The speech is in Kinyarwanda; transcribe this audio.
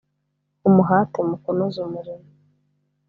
umuhate mu kunoza umurimo